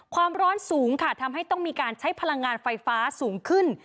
ความร้อนสูงค่ะทำให้ต้องมีการใช้พลังงานไฟฟ้าสูงขึ้น